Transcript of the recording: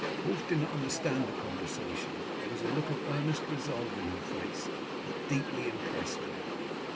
Wulf did not understand the conversation, but there was a look of earnest resolve in her face that deeply impressed him.